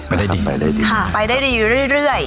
ไปได้ดีเรื่อย